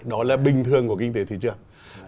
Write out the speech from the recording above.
đó là bình thường của kinh tế thị trường